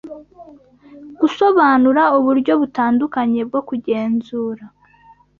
gusobanura uburyo butandukanye bwo kugenzura